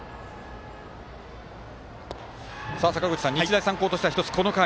日大三高としては、１つこの回。